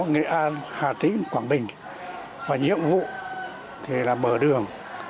nghệ an hà tĩnh quảng bình và nhiệm vụ thì là mở đường